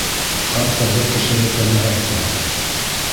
Хатта бер кешегә кәмеһәк тә.